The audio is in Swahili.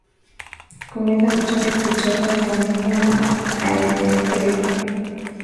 Kumeza matone kutoka kwa mnyama aliyeathirika